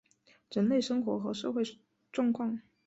人类生活和社会状况